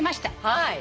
はい。